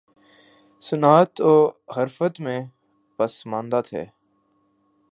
صنعت و حرفت میں پسماندہ تھے